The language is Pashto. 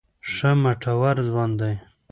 ښه مټور ځوان دی.